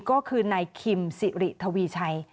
ก็คือนายคิมสิริทวีชัย